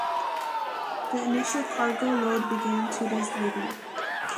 The initial cargo load began two days later.